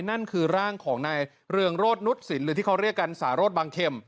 นั่นคือร่างของนายเรืองโรธนุษศิลปหรือที่เขาเรียกกันสารโรธบางเข็ม